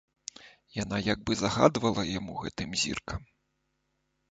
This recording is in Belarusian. Яна як бы загадвала яму гэтым зіркам.